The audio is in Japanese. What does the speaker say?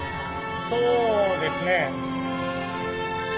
そうですね。